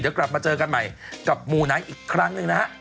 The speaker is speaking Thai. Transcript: เดี๋ยวกลับมาเจอกันใหม่กับหมู่ไหนอีกครั้งหนึ่งนะฮะ